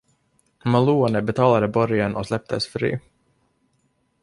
Malone betalade borgen och släpptes fri.